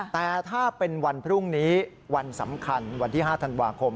แต่ถ้าเป็นวันพรุ่งนี้วันสำคัญวันที่๕ธันวาคม